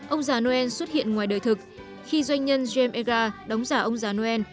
ông già noel xuất hiện ngoài đời thực khi doanh nhân jame edgar đóng giả ông già noel